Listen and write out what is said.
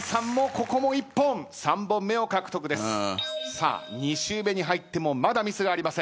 さあ２周目に入ってもまだミスがありません。